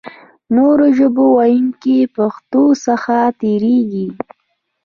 نورو ژبو ویونکي پښتو څخه تېرېږي.